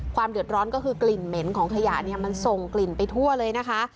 เดือดร้อนก็คือกลิ่นเหม็นของขยะเนี่ยมันส่งกลิ่นไปทั่วเลยนะคะ